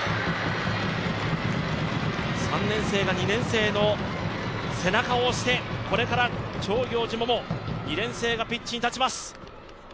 ３年生が２年生の背中を押してこれから長行司百杏、２年生がピッチに立ちます。